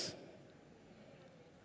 menyampaikan apa yang dipikirkan